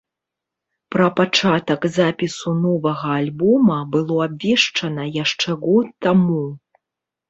Пра пачатак запісу новага альбома было абвешчана яшчэ год таму.